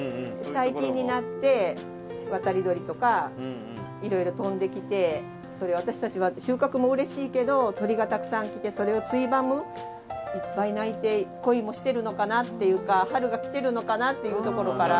最近になって渡り鳥とかいろいろ飛んできて私たちは収穫もうれしいけど鳥がたくさん来てそれをついばむいっぱい鳴いて恋もしてるのかなっていうか春が来てるのかなっていうところから。